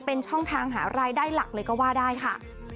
เป็นช่องทางหารายได้หลักเลยก็ว่าได้ค่ะ